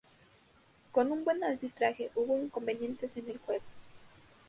Con un buen arbitraje, hubo inconvenientes en el juego.